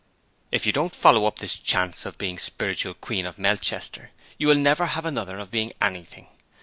'If you don't follow up this chance of being spiritual queen of Melchester, you will never have another of being anything.